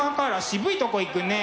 渋いとこいくね。